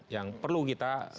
yang perlu kita